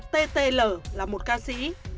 ttl là một ca sĩ